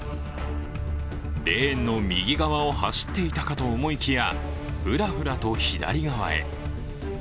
レーンの右側を走っていたかと思いきやふらふらと左側へ。